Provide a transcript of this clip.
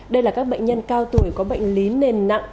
đây là các bệnh nhân cao tuổi có bệnh lý nền nặng